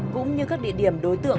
cũng như các địa điểm đối tượng